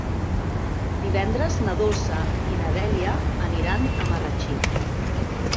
Divendres na Dolça i na Dèlia aniran a Marratxí.